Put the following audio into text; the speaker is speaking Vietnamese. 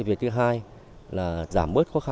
cái việc thứ hai là giảm mất khó khăn